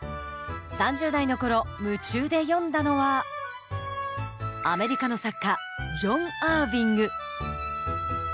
３０代の頃夢中で読んだのはアメリカの作家ジョン・アーヴィング。